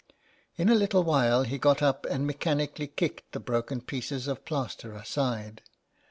In a little while he got up and mechanically kicked the broken pieces of plaster aside.